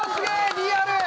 リアル。